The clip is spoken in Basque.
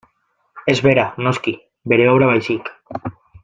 Ez bera, noski, bere obra baizik.